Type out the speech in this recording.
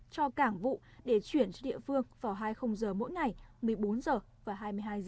cho cảng vụ để chuyển cho địa phương vào hai giờ mỗi ngày một mươi bốn h và hai mươi hai h